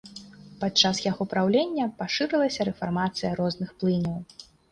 Падчас яго праўлення пашырылася рэфармацыя розных плыняў.